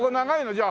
じゃあ。